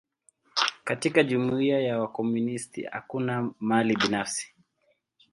Katika jumuia ya wakomunisti, hakuna mali binafsi.